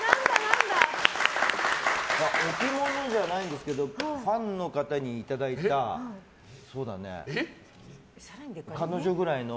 ○！置物じゃないんですけどファンの方にいただいた彼女くらいの。